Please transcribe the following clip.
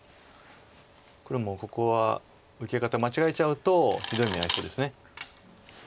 黒もここは受け方間違えちゃうとひどい目に遭いそうです。